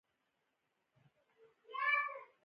په پنځمه میلادي پېړۍ کې لوېدیځ روم وپاشل شو